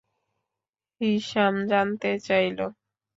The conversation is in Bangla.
হিশাম জানতে চাইল।